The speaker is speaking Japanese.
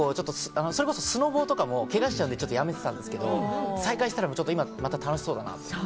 それこそスノボとかも怪我しちゃってやめてたんですけれども、再開したら、また楽しそうだなと思って。